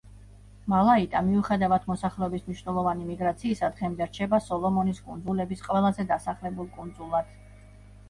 მალაიტა, მიუხედავად მოსახლეობის მნიშვნელოვანი მიგრაციისა, დღემდე რჩება სოლომონის კუნძულების ყველაზე დასახლებულ კუნძულად.